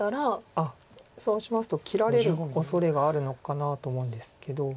そうしますと切られるおそれがあるのかなと思うんですけど。